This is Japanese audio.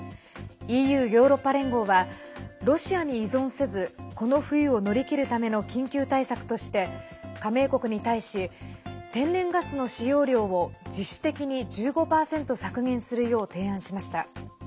ＥＵ＝ヨーロッパ連合はロシアに依存せずこの冬を乗り切るための緊急対策として加盟国に対し天然ガスの使用量を自主的に１５％削減するよう提案しました。